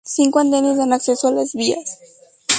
Cinco andenes dan acceso a las vías.